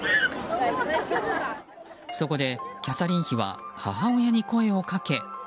そこで、キャサリン妃は母親に声をかけ。